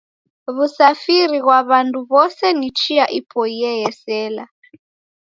W'usafiri ghwa w'andu w'ose ni chia ipoiye yesela.